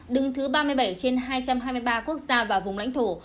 đứng thứ ba mươi bảy trên hai trăm hai mươi ba quốc gia và vùng lãnh thổ